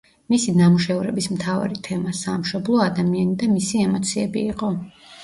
მისი ნამუშევრების მთავარი თემა სამშობლო, ადამიანი და მისი ემოციები იყო.